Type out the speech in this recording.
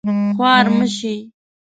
خوار مه شې